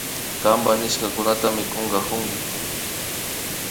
Kanpa nishkakunatami kunkakuni